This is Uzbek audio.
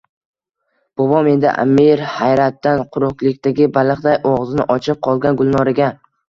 — Bobom, — dedi Аmir hayratdan quruqlikdagi baliqday ogʼzini ochib qolgan Gulnoraga.